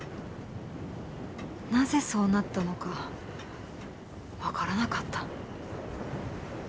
なぜそうなったのかわからなかった。